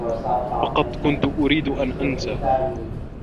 فقط كنت أريد أن أنسى.